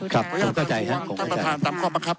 ขอประท้วงครับขอประท้วงครับขอประท้วงครับขอประท้วงครับ